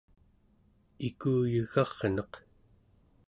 ikuyegarneq